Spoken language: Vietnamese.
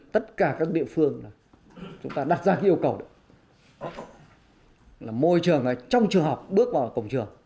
tất cả các địa phương chúng ta đặt ra yêu cầu là môi trường trong trường học bước vào cổng trường